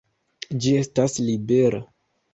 Ĝi estas libera!